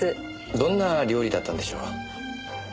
どんな料理だったんでしょう？